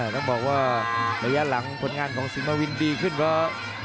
ต้องบอกว่าระยะหลังผลงานของสินมาวินดีขึ้นเพราะ